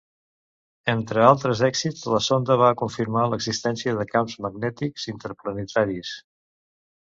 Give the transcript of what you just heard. Entre altres èxits, la sonda va confirmar l'existència de camps magnètics interplanetaris.